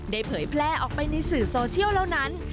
เผยแพร่ออกไปในสื่อโซเชียลเหล่านั้น